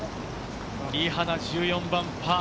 リ・ハナ、１４番、パー。